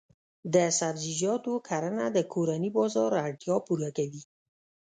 د سبزیجاتو کرنه د کورني بازار اړتیا پوره کوي.